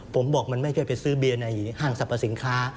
ผมบอกมันไม่ใช่ไปซื้อเบียร์ในห้างสรรพสินค้า